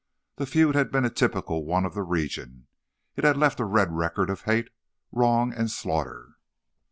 The feud had been a typical one of the region; it had left a red record of hate, wrong and slaughter.